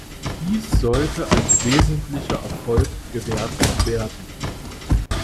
Dies sollte als wesentlicher Erfolg gewertet werden.